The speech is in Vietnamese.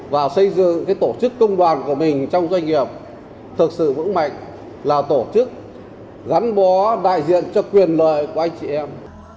và xây dựng tổ chức công đoàn của mình trong doanh nghiệp thực sự vững mạnh là tổ chức gắn bó đại diện cho quyền lợi của anh chị em